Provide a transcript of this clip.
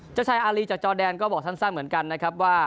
เจ้าชายอารีจากจอแดนก็บอกสั้นเหมือนกันนะครับว่า